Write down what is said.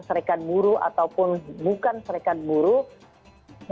serikat buruh ataupun bukan serikat buruh